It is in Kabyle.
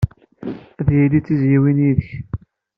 Ad yili d tizzyiwin yid-k.